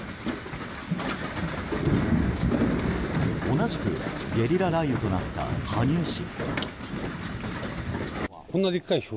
同じく、ゲリラ雷雨となった羽生市。